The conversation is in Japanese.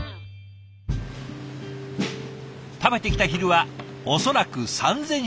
食べてきた昼は恐らく３，０００食以上。